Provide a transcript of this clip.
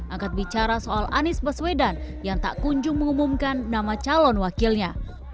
angkat bicara soal anies baswedan yang tak kunjung mengumumkan nama calon wakilnya